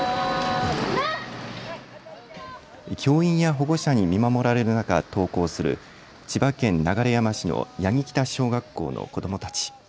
教員や保護者に見守られる中登校する千葉県流山市の八木北小学校の子どもたち。